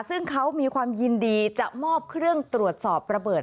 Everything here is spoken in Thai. ซึ่งเขามีความยินดีจะมอบเครื่องตรวจสอบระเบิด